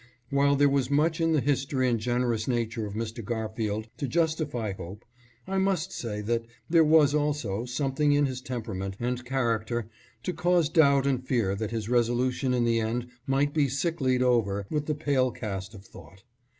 While there was much in the history and generous nature of Mr. Garfield to justify hope, I must say that there was also something in his temperament and character to cause doubt and fear that his resolution in the end might be sicklied over with the pale cast of thought.